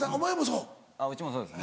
うちもそうですね。